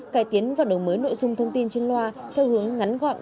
cải tiến và đổi mới nội dung thông tin trên loa theo hướng ngắn gọn